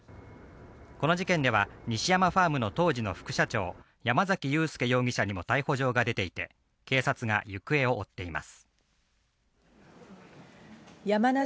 この事件では西山ファームの当時の副社長・山崎裕輔容疑者にも逮捕状が出ていて、警察が行方を追っています。